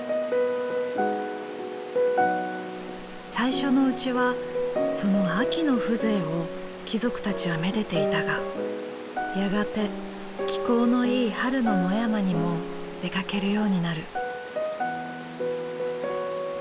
最初のうちはその秋の風情を貴族たちはめでていたがやがて気候のいい春の野山にも出かけるようになる。